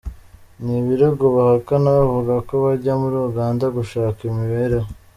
Ni ibirego bahakana bavuga ko bajya muri Uganda gushaka imibereho.